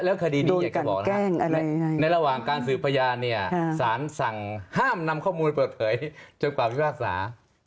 แล้วขดีนี้อย่างที่จะบอกในระหว่างการสืบพยายามสารสั่งห้ามนำข้อมูลเปิดเผยจนกว่าพิพากษา